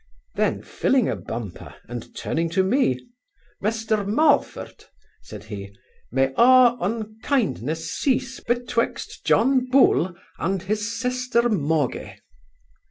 Then, filling a bumper, and turning to me, 'Mester Malford (said he), may a' unkindness cease betwixt John Bull and his sister Moggy.